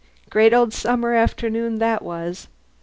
Great old summer afternoon that was!